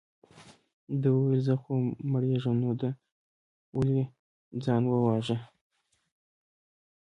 ده وویل زه خو مرېږم نو ده ولې ځان وواژه.